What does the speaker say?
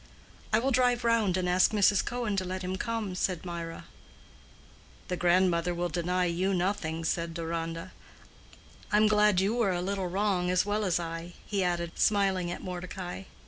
"I will drive round and ask Mrs. Cohen to let him come," said Mirah. "The grandmother will deny you nothing," said Deronda. "I'm glad you were a little wrong as well as I," he added, smiling at Mordecai.